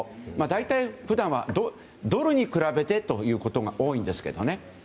大体、普段はドルに比べてということが多いんですけどね。